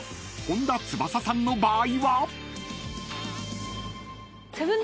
［本田翼さんの場合は？］